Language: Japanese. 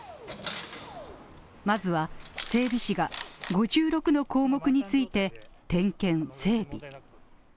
まずは、整備士が５６の項目について点検・整備。